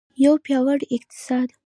یو پیاوړی اقتصاد.